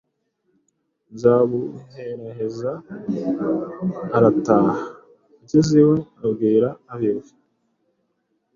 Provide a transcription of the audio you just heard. nzabuheraheza arataha; ageze iwe, abwira ab’iwe